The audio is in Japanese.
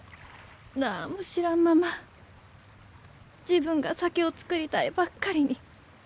何も知らんまま自分が酒を造りたいばっかりに。